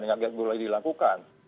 yang agak boleh dilakukan